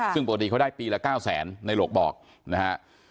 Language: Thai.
ซึ่งปกติเขาได้ปีละ๙แสนในโหลกบอกนะฮะ